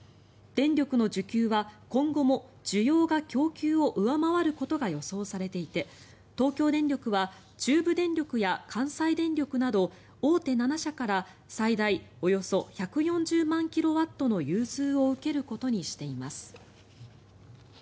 電力の需給は今後も需要が供給を上回ることが予想されていて、東京電力は中部電力や関西電力など大手７社から最大およそ１４０万キロワットの融通を受けることにしています。